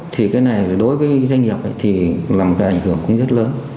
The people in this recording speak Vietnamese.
thì cái này đối với doanh nghiệp thì làm cái ảnh hưởng cũng rất lớn